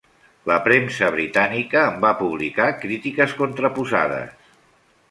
La premsa britànica en va publicar crítiques contraposades.